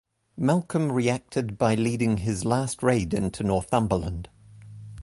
Malcolm reacted by leading his last raid into Northumberland.